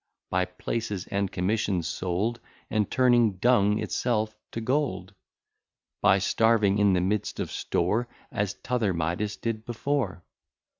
By places and commissions sold, And turning dung itself to gold? By starving in the midst of store, As t'other Midas did before?